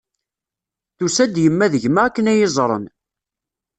Tusa-d yemma d gma akken ad iyi-iẓren.